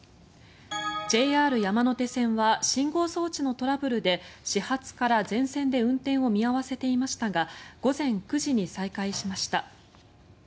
ＪＲ山手線は信号装置のトラブルで始発から全線で運転を見合わせていましたが午前９時に再開しました。